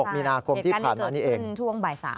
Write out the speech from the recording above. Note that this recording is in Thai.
๖มินาคมถ้าเกิดขึ้นช่วงบ่าย๓